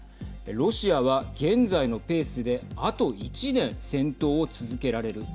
ロシアは現在のペースであと１年、戦闘を続けられる。